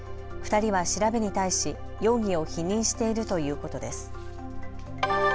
２人は調べに対し容疑を否認しているということです。